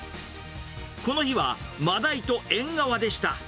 この日はマダイとエンガワでした。